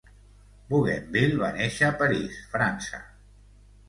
Bougainville va néixer a París, França.